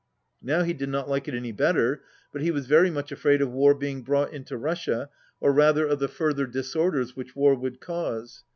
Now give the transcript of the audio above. Now he did not like it any better, but he was very much afraid of war being brought into Russia, or rather of the further disorders which war would cause.